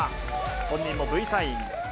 本人もＶサイン。